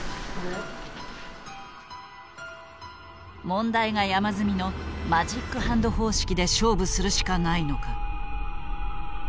問題が山積みのマジックハンド方式で勝負するしかないのか。